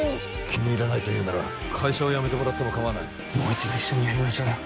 気に入らないというなら会社を辞めてもらってもかまわないもう一度一緒にやりましょうよ